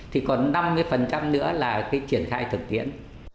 thì còn năm mươi nữa là cái triển khai thực tiễn